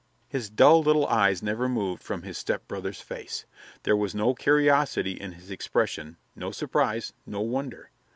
His dull little eyes never moved from his stepbrother's face. There was no curiosity in his expression, no surprise, no wonder.